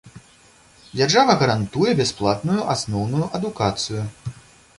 Дзяржава гарантуе бясплатную асноўную адукацыю.